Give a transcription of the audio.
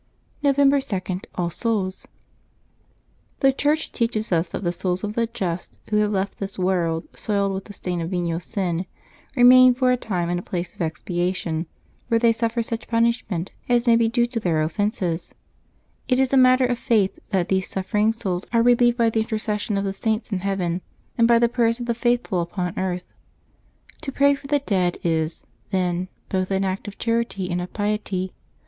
^^ November 2.— ALL SOULS. ^^HE Church teaches us that the souls of the just who \mJ have left this world soiled with the stain of venial sin remain for a time in a place of expiation, where they suffer such punishment as may be due to their offences. It KovEMBEB 2] LIVES OF TEE SAINTS 349 is a matter of faith that these suffering souls are relieved by the intercession of the Saints in heaven and by the prayers of the faithful upon earth. To pray for the dead is, then, both an act of charity and of piety.